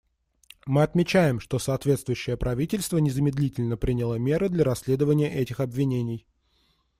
Мы отмечаем, что соответствующее правительство незамедлительно приняло меры для расследования этих обвинений.